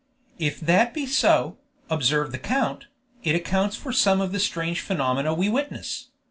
"If that be so," observed the count, "it accounts for some of the strange phenomena we witness.